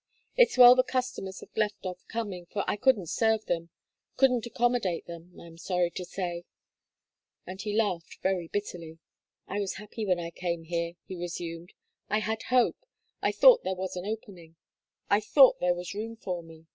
It's well the customers have left off coming; for I couldn't serve them; couldn't accommodate them, I am sorry to say," and he laughed very bitterly. "I was happy when I came here," he resumed, "I had hope; I thought there was an opening; I thought there was room for me.